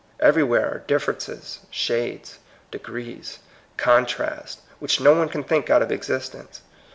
Everywhere are differences, shades, degrees, contrasts, which no one can think out of existence.